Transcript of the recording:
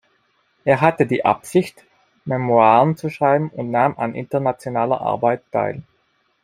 Er hatte die Absicht, Memoiren zu schreiben, und nahm an internationaler Arbeit teil.